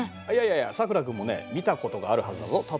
いやいやいやさくら君もね見たことがあるはずだぞ。